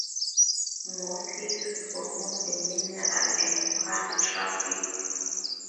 Mostly used for moving mineral and quarry traffic.